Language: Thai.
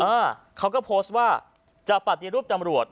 อ่าเขาก็โพสต์ว่าจะปฏิรูปตำรวจ